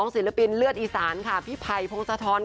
ศิลปินเลือดอีสานค่ะพี่ไผ่พงศธร